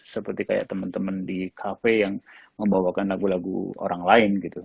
seperti kayak teman teman di cafe yang membawakan lagu lagu orang lain gitu